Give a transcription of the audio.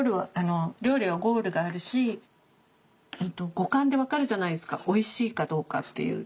料理はゴールがあるし五感で分かるじゃないですかおいしいかどうかっていう。